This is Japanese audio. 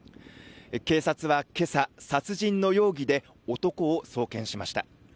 警察は今朝、殺人の容疑で男を送検しました。